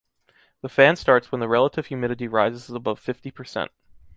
The fan starts when the relative humidity rises above fifty percent